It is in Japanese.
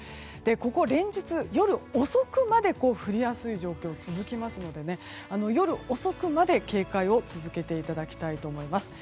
ここ連日、夜遅くまで降りやすい状況が続くので夜遅くまで警戒を続けていただきたいと思います。